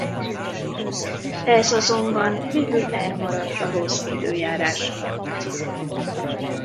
Ez azonban végül elmaradt a rossz időjárás miatt.